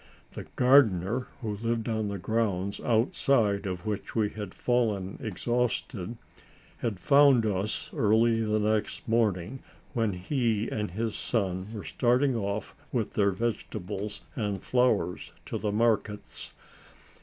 The gardener, who lived on the grounds outside of which we had fallen exhausted, had found us early the next morning, when he and his son were starting off with their vegetables and flowers to the markets.